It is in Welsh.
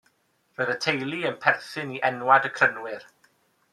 Roedd y teulu yn perthyn i enwad y Crynwyr.